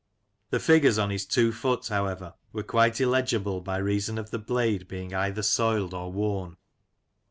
The figures on his two foot, however, were quite illegible by reason of the blade being either soiled or woi;p.